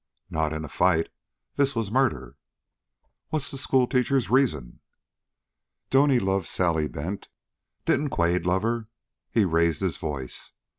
"Not in a fight. This was a murder!" "What's the schoolteacher's reason!" "Don't he love Sally Bent? Didn't Quade love her?" He raised his voice.